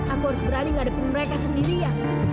aku harus berani ngadepin mereka sendiri ya